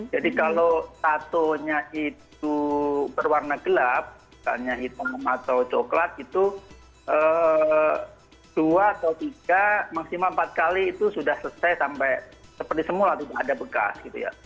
jadi kalau tato nya itu berwarna gelap tanya hitam atau coklat itu dua atau tiga maksimal empat kali itu sudah selesai sampai seperti semula tidak ada bekas gitu ya